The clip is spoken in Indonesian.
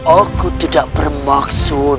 aku tidak bermaksud